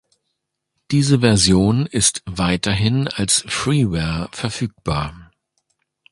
Diese Version ist weiterhin als Freeware verfügbar.